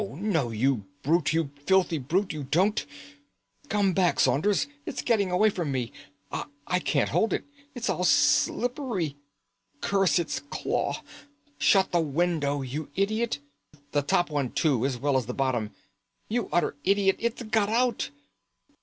No, you brute, you filthy brute, you don't! Come back, Saunders, it's getting away from me. I can't hold it; it's all slippery. Curse its claw! Shut the window, you idiot! The top too, as well as the bottom. You utter idiot! It's got out!"